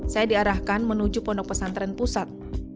saya diarahkan menuju pondok pesantren pusat